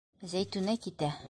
Зәйтүнә китә.